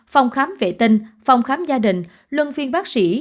phòng khám vệ tinh phòng khám gia đình luân phiên bác sĩ